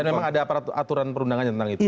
dan memang ada aturan perundangannya tentang itu iya